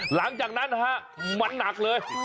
หลังจากนั้นฮะมันหนักเลย